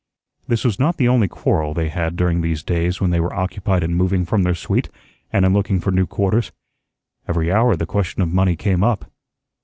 This was not the only quarrel they had during these days when they were occupied in moving from their suite and in looking for new quarters. Every hour the question of money came up.